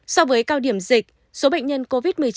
so với cao điểm dịch số bệnh nhân covid một mươi chín